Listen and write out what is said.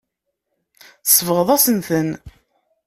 Tsebɣeḍ-asen-ten.